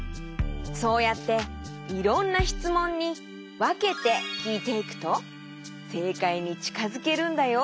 そうやっていろんなしつもんにわけてきいていくとせいかいにちかづけるんだよ。